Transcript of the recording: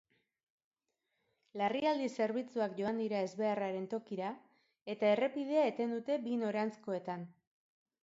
Larrialdi zerbitzuak joan dira ezbeharraren tokira, eta errepidea eten dute bi noranzkoetan.